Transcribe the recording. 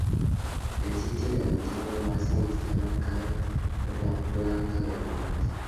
El sitio de la antigua base está marcado por una placa de bronce.